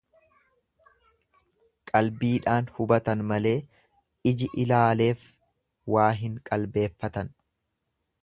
Qalbiidhaan hubatan malee iji ilaaleef waa hin qalbeeffatan.